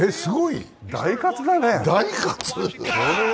大喝だね。